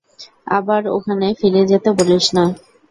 আবার ওখানে ফিরে যেতে বলিস না।